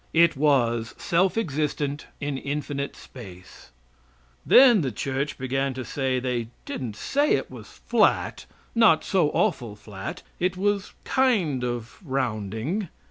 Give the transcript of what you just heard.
It was self existent in infinite space. Then the church began to say they didn't say it was flat not so awful flat it was kind of rounding.